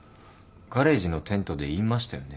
ガレージのテントで言いましたよね。